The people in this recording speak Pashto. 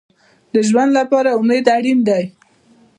د ژوند لپاره امید اړین دی